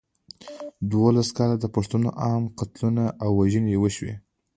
دولس کاله د پښتنو عام قتلونه او وژنې وشوې.